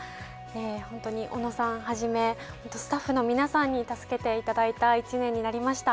本当に小野さんはじめ本当スタッフの皆さんに助けていただいた一年になりました。